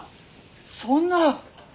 そんな！